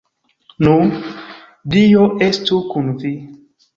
Nu, dio estu kun vi.